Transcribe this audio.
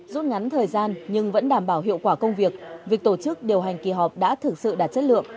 rút ngắn thời gian nhưng vẫn đảm bảo hiệu quả công việc việc tổ chức điều hành kỳ họp đã thực sự đạt chất lượng